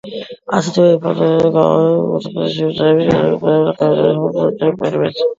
ასეთივე იმპოსტებია გამოყოფილი კუთხის სივრცეების გადამხურავი ნახევარსფეროების საფუძვლის მთელ პერიმეტრზე.